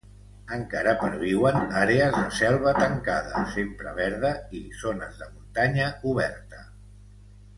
Encara perviuen àrees de selva tancada sempre verda, i zones de muntanya oberta.